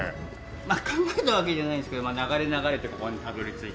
まあ考えたわけではないんですけど流れ流れてここにたどり着いた。